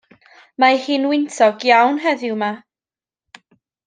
Mae hi'n wyntog iawn heddiw 'ma.